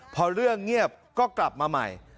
พอเรื่องเงียบก็กลับมาใหม่